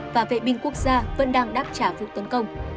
và vệ binh quốc gia vẫn đang đáp trả vụ tấn công